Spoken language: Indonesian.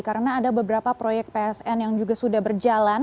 karena ada beberapa proyek psn yang juga sudah berjalan